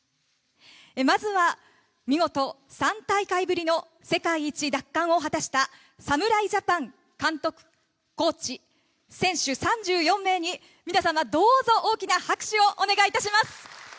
まずは見事、３大会ぶりの世界一奪還を果たした侍ジャパン監督、コーチ、選手３４名に皆様、どうぞ大きな拍手をお願いいたします。